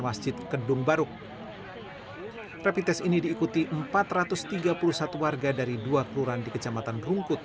wasjid kendung baruk repitest ini diikuti empat ratus tiga puluh satu warga dari dua kelurahan di kecamatan rungkut